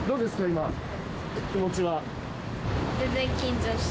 今の気持ちは。